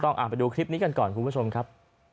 เอาไปดูคลิปนี้กันก่อนคุณผู้ชมครับ